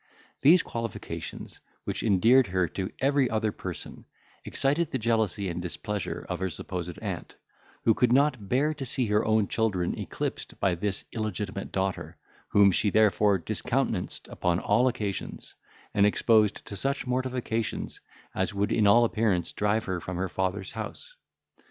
These qualifications, which endeared her to every other person, excited the jealousy and displeasure of her supposed aunt, who could not bear to see her own children eclipsed by this illegitimate daughter, whom she therefore discountenanced upon all occasions, and exposed to such mortifications as would in all appearance drive her from her father's house.